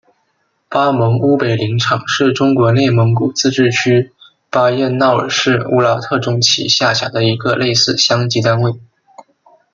巴盟乌北林场是中国内蒙古自治区巴彦淖尔市乌拉特中旗下辖的一个类似乡级单位。